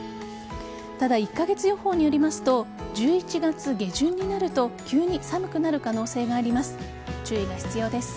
ただ、１カ月予報によりますと１１月下旬になると急に寒くなる可能性があります。